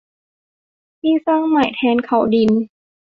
ที่สร้างใหม่แทนเขาดิน